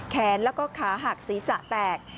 แขนแล้วก็ขาหักศีรษะแตก